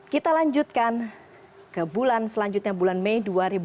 kita lanjutkan ke bulan selanjutnya bulan mei dua ribu dua puluh